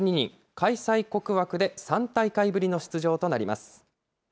開催国枠で３大会ぶりの出場となります。